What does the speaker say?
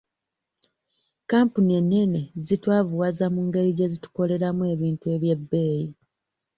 Kampuni ennene zitwavuwaza mu ngeri gye zitukoleramu ebintu eby'ebbeeyi.